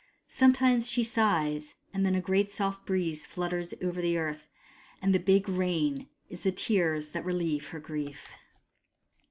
Sometimes she sighs, and then a soft breeze flutters over the earth ; and the big rain is the tears that relieve her grief.